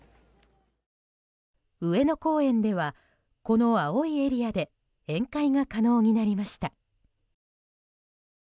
上野公園では、この青いエリアで宴会が可能になりました。